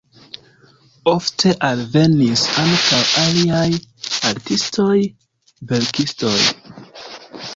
Ofte alvenis ankaŭ aliaj artistoj, verkistoj.